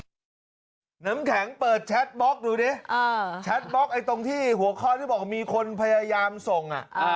น้ำแข็งน้ำแข็งเปิดแชทบล็อกดูดิแชทบล็อกไอ้ตรงที่หัวข้อที่บอกมีคนพยายามส่งอ่ะ